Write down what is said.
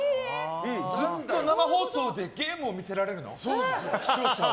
ずっと生放送でゲームを見せられるの視聴者は。